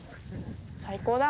最高だ。